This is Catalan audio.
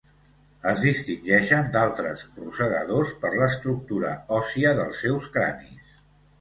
Es distingeixen d'altres rosegadors per l'estructura òssia dels seus cranis.